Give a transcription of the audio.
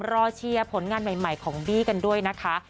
เชียร์ผลงานใหม่ของบี้กันด้วยนะคะ